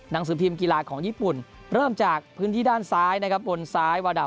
หนังสือพิมพ์กีฬาของญี่ปุ่นเริ่มจากพื้นที่ด้านซ้ายนะครับบนซ้ายวาดา